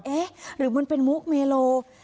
เอ๊ะหรือมันเป็นมุกเมโล